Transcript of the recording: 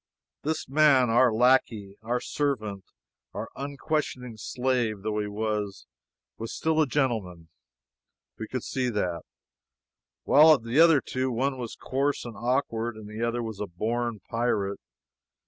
This man our lackey, our servant, our unquestioning slave though he was was still a gentleman we could see that while of the other two one was coarse and awkward and the other was a born pirate.